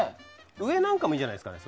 上なんかもいいんじゃないですかね。